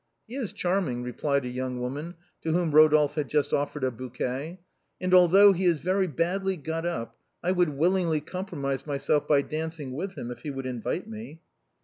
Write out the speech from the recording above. " He is charming," replied a young woman to whom Eo dolphe had Just offered a bouquet, " and although he is 172 THE BOHEMIANS OF THE LATIN QUARTER. very badly got up I would willingly compromise myself by dancing with him if he would invite me."